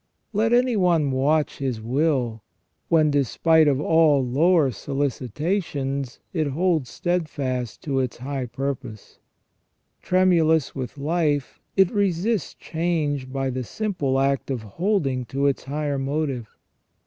Let any one watch his will when, despite of all lower solicita tions, it holds steadfast to its high purpose. Tremulous with life, it resists change by the simple act of holding to its higher motive.